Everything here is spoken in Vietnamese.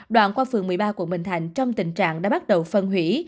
đoạn qua phường một mươi ba quận bình thành trong tình trạng đã bắt đầu phân hủy